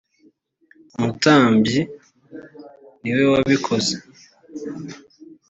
umutambyiniwe wabikoze.